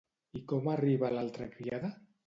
I com arriba l'altra criada?